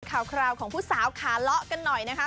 ข่าวคราวของผู้สาวขาเลาะกันหน่อยนะคะ